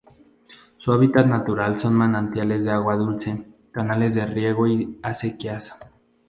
Su hábitat natural son manantiales de agua dulce, canales de riego y acequias.